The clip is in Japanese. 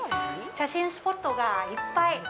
写真スポットがいっぱい。